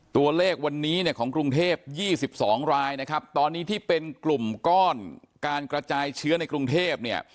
ตัวเลขวันนี้เนี่ยของกรุงเทพ๒๒รายนะครับตอนนี้ที่เป็นกลุ่มก้อนการกระจายเชื้อในกรุงเทพเนี่ย